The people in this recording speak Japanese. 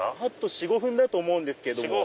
４５分だと思うんですけども。